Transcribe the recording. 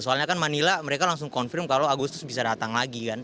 soalnya kan manila mereka langsung confirm kalau agustus bisa datang lagi kan